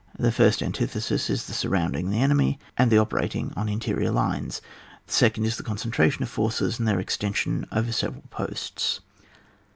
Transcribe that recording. The first antithesis is the surrounding the enemy, and the operating on interior lines ; the second is the concentration of forces, and their extension over several posts.